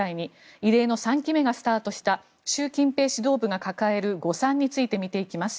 異例の３期目がスタートした習近平指導が抱える誤算について見ていきます。